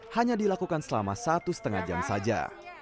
hanya dilakukan selama satu setengah jam saja